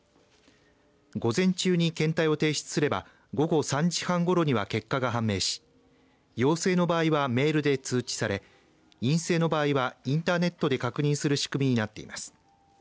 午前中に検体を提出すれば午後３時半ごろには結果が判明し陽性の場合はメールで通知され陰性の場合はインターネットで確認する仕組みになっています。